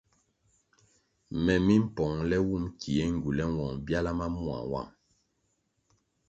Me mi mpongʼle wum kie ngywule nwong byala ma mua nwang.